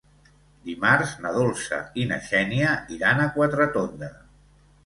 Dimarts na Dolça i na Xènia iran a Quatretonda.